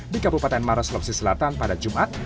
di kabupaten maros loksi selatan pada jumat